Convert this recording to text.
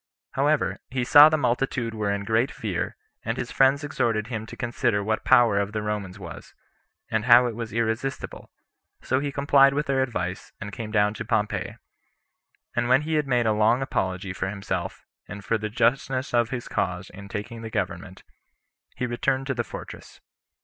However, he saw the multitude were in great fear, and his friends exhorted him to consider what the power of the Romans was, and how it was irresistible; so he complied with their advice, and came down to Pompey; and when he had made a long apology for himself, and for the justness of his cause in taking the government, he returned to the fortress.